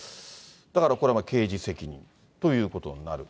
だからこれは刑事責任ということになる。